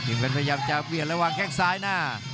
เพชรพยายามจะเบียดระหว่างแข้งซ้ายหน้า